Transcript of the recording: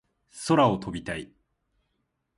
空を飛びたい